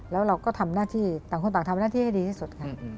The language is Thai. แล้วเราก็ทำหน้าที่ต่างคนต่างทำหน้าที่ให้ดีที่สุดค่ะ